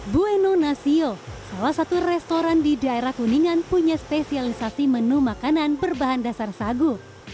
bueno nasio salah satu restoran di daerah kuningan punya spesialisasi menu makanan berbahan dasar sagu